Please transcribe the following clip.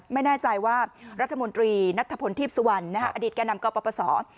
ไม่แน่ใจว่ารัฐมนตรีนัทธพลทีพสุวรรณอดีตแก่นำกปศ